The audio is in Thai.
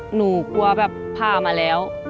หนูกลัวแบบพามาแล้ว